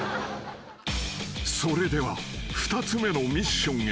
［それでは２つ目のミッションへ］